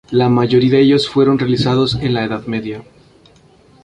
La mayoría de ellos fueron realizados en la Edad Media.